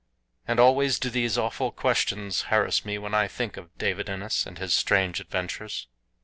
And always do these awful questions harass me when I think of David Innes and his strange adventures.